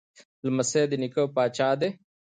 لمسی د نیکه پاچا دی.